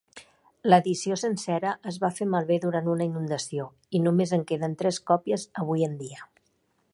L'edició sencera es va fer malbé durant una inundació, i només en queden tres copies avui en dia.